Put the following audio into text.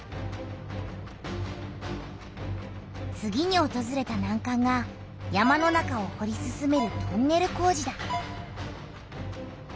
次におとずれたなんかんが山の中をほり進めるトンネル工事だ。